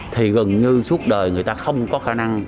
thì gần như suốt đời người ta không có khả năng